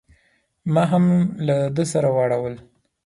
ما هم له ده سره واړول.